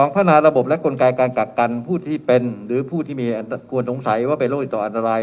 พัฒนาระบบและกลไกการกักกันผู้ที่เป็นหรือผู้ที่มีอันควรสงสัยว่าเป็นโรคติดต่ออันตราย